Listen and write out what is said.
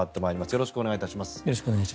よろしくお願いします。